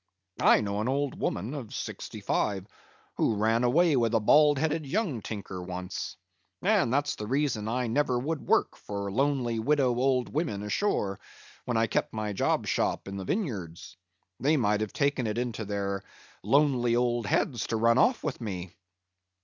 I know an old woman of sixty five who ran away with a bald headed young tinker once. And that's the reason I never would work for lonely widow old women ashore, when I kept my job shop in the Vineyard; they might have taken it into their lonely old heads to run off with me.